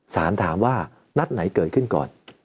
สารถามว่านัดไหนเกิดขึ้นก่อน